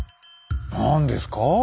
何ですか？